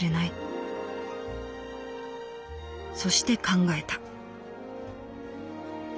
そして考えた」。